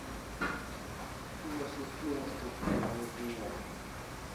Tu osi kia asta kay au zui ai?